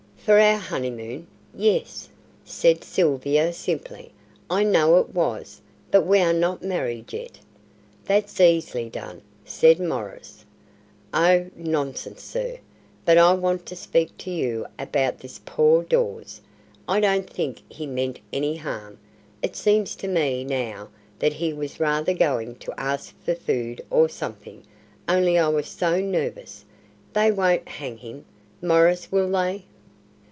"For our honeymoon? Yes," said Sylvia, simply. "I know it was. But we are not married yet." "That's easily done," said Maurice. "Oh, nonsense, sir! But I want to speak to you about this poor Dawes. I don't think he meant any harm. It seems to me now that he was rather going to ask for food or something, only I was so nervous. They won't hang him, Maurice, will they?"